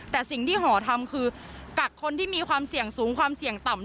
แต่สิ่งที่หอทำคือกักคนที่มีความเสี่ยงสูงความเสี่ยงต่ำ